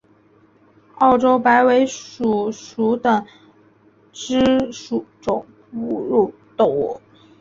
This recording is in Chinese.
澳洲白尾鼠属等之数种哺乳动物。